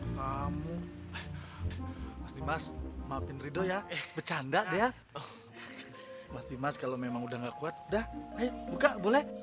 kamu masih mas maafin ridho ya bercanda ya mas mas kalau memang udah enggak kuat dah buka boleh